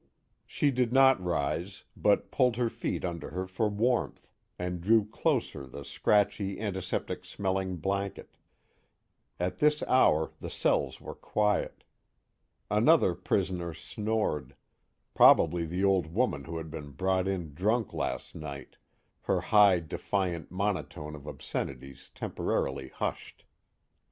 She did not rise, but pulled her feet under her for warmth and drew closer the scratchy antiseptic smelling blanket. At this hour the cells were quiet. Another prisoner snored, probably the old woman who had been brought in drunk last night, her high defiant monotone of obscenities temporarily hushed.